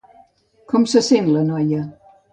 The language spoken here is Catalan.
Com se sent la noia?